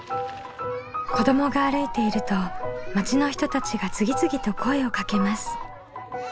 子どもが歩いていると町の人たちが次々と声をかけます。